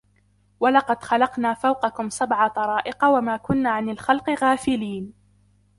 وَلَقَدْ خَلَقْنَا فَوْقَكُمْ سَبْعَ طَرَائِقَ وَمَا كُنَّا عَنِ الْخَلْقِ غَافِلِينَ